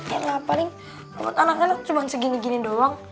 ya lah paling robot anaknya cuma segini gini doang